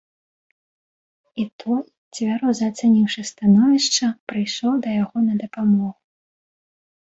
І той, цвяроза ацаніўшы становішча, прыйшоў да яго на дапамогу.